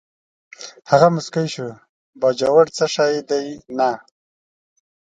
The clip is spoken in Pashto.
هغه موسکی شو: باجوړ څه شی دی، نه.